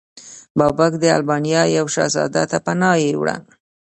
بابک د البانیا یو شهزاده ته پناه یووړه.